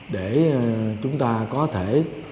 để chúng ta có thể